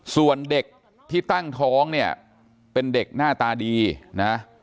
ส่วนเด็กที่ตั้งท้องเนี่ยเป็นเด็กหน้าตาดีนะ